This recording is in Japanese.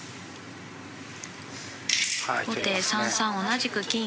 後手３三同じく銀。